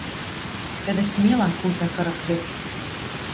Тӹдӹ смелан куза кырык вӹк.